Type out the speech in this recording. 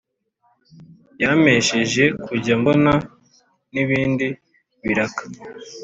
yampesheje kujya mbona n’ibindi biraka